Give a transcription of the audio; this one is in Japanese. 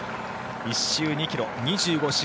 １周２ｋｍ、２５周。